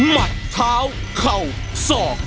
มัดเท้าเข่าศอก